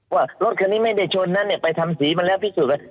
ว่ารถคนนี้ไม่ได้ชนไปทำสีมันแล้วพิสูจน์